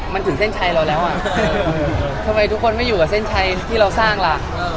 มันถึงเส้นชัยเราแล้วอ่ะทำไมทุกคนไม่อยู่กับเส้นชัยที่เราสร้างล่ะ